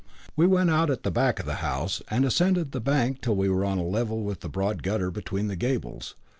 We went out at the back of the house, and ascended the bank till we were on a level with the broad gutter between the gables.